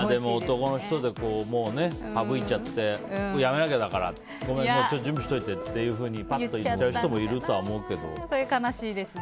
男の人で省いちゃってやめなきゃだからってごめん準備しておいてってぱっと言っちゃう人もそれは悲しいですね。